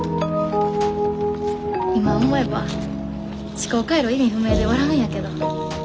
今思えば思考回路意味不明で笑うんやけど。